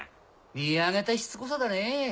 見上げたしつこさだねぇ。